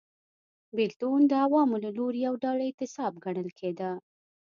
بېلتون د عوامو له لوري یو ډول اعتصاب ګڼل کېده